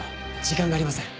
時間がありません。